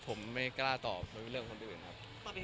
ผมไม่กล้าตอบเรื่องคนอื่นนะครับ